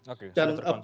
oke sudah terkonsolidasi